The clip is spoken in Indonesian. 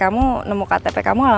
kart rejoice pak surya